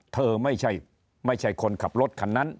เธอไม่ใช่คนขับรถคันนั้น